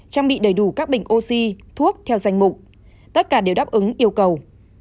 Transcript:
trang bị đầy đủ các bình oxy thuốc theo danh mục tất cả đều đáp ứng yêu cầu